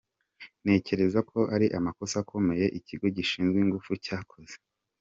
Ntekereza ko ari amakosa akomeye Ikigo gishinzwe Ingufu cyakoze.